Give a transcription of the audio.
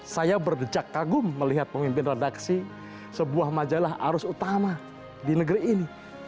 saya berdejak kagum melihat pemimpin redaksi sebuah majalah arus utama di negeri ini